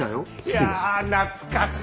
いやあ懐かしいね！